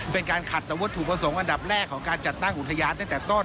เป็นการขัดต่อวัตถุประสงค์อันดับแรกของการจัดตั้งอุทยานตั้งแต่ต้น